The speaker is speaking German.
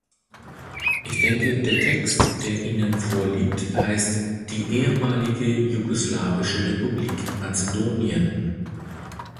Ich denke, der Text, der Ihnen vorliegt, heißt "die ehemalige jugoslawische Republik Mazedonien".